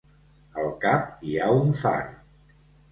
Al cap hi ha un far.